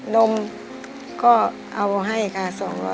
นมก็เอาให้ค่ะ